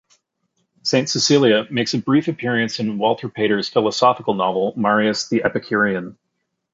Saint Cecilia makes a brief appearance in Walter Pater's philosophical novel, Marius the Epicurean.